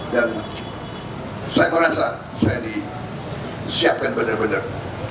dan saya merasa saya disiapkan benar benar